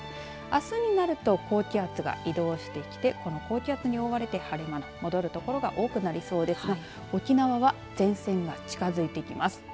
あすになると高気圧が移動してきて高気圧に覆われて晴れ間が戻る所が多くなりそうですが沖縄は前線が近づいてきます。